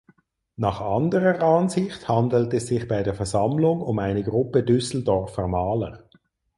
Nach anderer Ansicht handelt es sich bei der Versammlung um eine Gruppe Düsseldorfer Maler.